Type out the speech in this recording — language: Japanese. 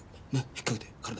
引っかけて体。